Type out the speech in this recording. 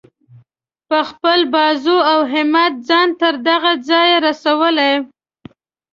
په خپل بازو او همت ځان تر دغه ځایه رسولی.